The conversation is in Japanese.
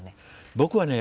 僕はね